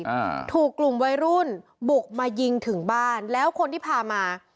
อ่าถูกกลุ่มวัยรุ่นบุกมายิงถึงบ้านแล้วคนที่พามา